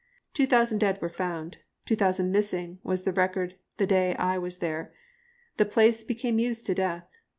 Two thousand dead were found, 2,000 missing, was the record the day I was there. The place became used to death.